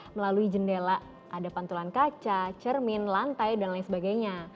melalui jendela ada pantulan kaca cermin lantai dan lain sebagainya